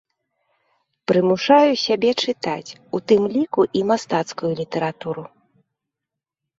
Прымушаю сябе чытаць, у тым ліку і мастацкую літаратуру.